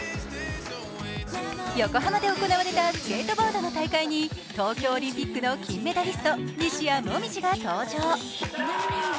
横浜で行われたスケートボードの大会に東京オリンピックの金メダリスト、西矢椛が登場。